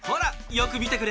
よくみてくれ。